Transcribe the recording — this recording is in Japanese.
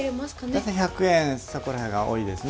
大体１００円、そこら辺が多いですね。